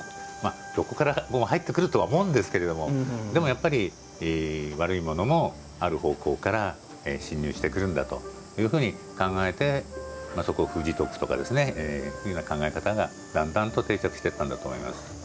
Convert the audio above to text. どこからでも入ってくるとは思うですけどやっぱり、悪いものもある方向から侵入してくるんだと考えてそこを封じておくとかいう考え方がだんだんと定着していったんだと思います。